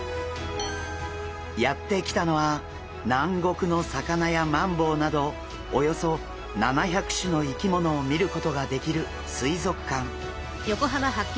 やって来たのは南国の魚やマンボウなどおよそ７００種の生き物を見ることができる水族館。